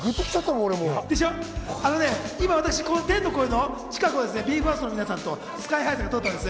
今、天の声の近くをＢＥ：ＦＩＲＳＴの皆さんとＳＫＹ−ＨＩさんが通ったんです。